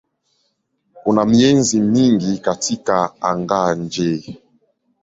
Kuna miezi mingi katika anga-nje.